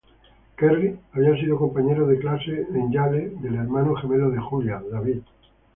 Kerry había sido compañero de clase en Yale del hermano gemelo de Julia, David.